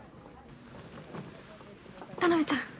田辺ちゃん